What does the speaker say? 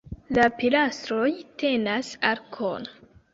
La pilastroj tenas arkon.